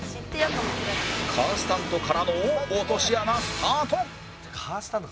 カースタントからの落とし穴スタート！